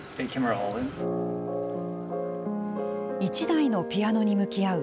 １台のピアノに向き合う